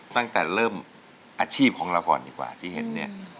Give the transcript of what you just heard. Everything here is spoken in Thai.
ตั้งแต่เริ่มอาชีพของเราก่อนดีกว่าที่เห็นเนี่ย